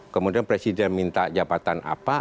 kemudian presiden minta jabatan apa